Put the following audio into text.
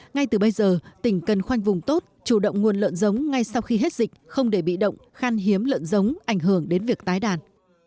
ngay từ bây giờ tỉnh cần khoanh vùng tốt chủ động nguồn lợn giống ngay sau khi hết dịch không để bị động khan hiếm lợn giống ảnh hưởng đến việc tái đàn